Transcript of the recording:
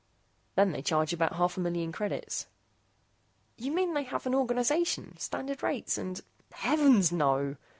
Then they charge about half a million credits." "You mean they have an organization, standard rates and " "Heavens no!"